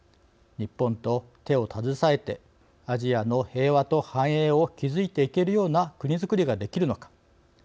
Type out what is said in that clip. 日本と手を携えてアジアの平和と繁栄を築いていけるような国づくりができるのか。